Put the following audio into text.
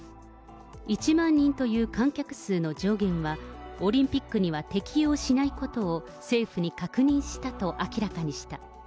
１万人という観客数の上限は、オリンピックに適用しないことを政府に確認したと明らかにした。